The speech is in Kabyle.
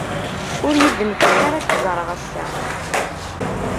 Ur yi-d-tenfiḥ ara ad k-ẓreɣ assa.